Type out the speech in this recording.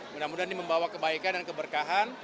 mudah mudahan ini membawa kebaikan dan keberkahan